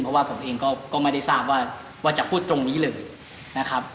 หายกฎการณ์ที่เกิดขึ้นเพราะว่าผมเองก็ไม่ได้ทราบว่าจะพูดตรงนี้เลยนะครับ